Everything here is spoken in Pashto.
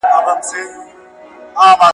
سړي وویل قسم دی چي مسکین یم